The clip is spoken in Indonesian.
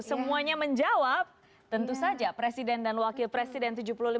semuanya menjawab tentu saja presiden dan wakil presiden tujuh puluh lima